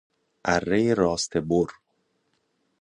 اره راسته بر